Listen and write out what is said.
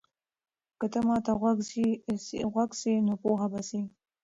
که ته ما ته غوږ سې نو پوه به سې.